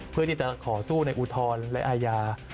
เพื่อที่จะขอสู้ในอุทธรณ์และอาญา